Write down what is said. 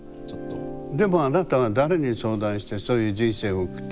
でもあなたは誰に相談してそういう人生を送っていらしたの？